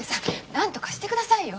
なんとかしてくださいよ。